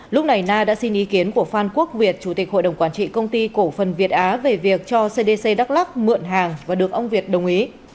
lúc này na đã xin ý kiến của phan quốc việt chủ tịch hội đồng quản trị công ty cổ phần việt á về việc cho cdc đắk lắc mượn hàng và được ông việt đồng ý